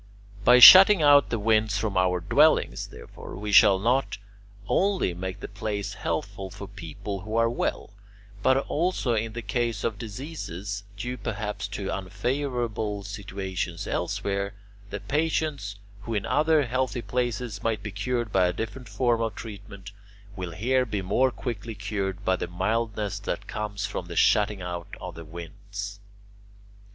3. By shutting out the winds from our dwellings, therefore, we shall not only make the place healthful for people who are well, but also in the case of diseases due perhaps to unfavourable situations elsewhere, the patients, who in other healthy places might be cured by a different form of treatment, will here be more quickly cured by the mildness that comes from the shutting out of the winds.